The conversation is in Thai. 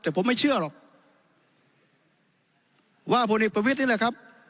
แต่ผมไม่เชื่อหรอกว่าผลเอกประวิทย์นี่แหละครับ